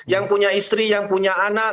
yang punya istri yang punya anak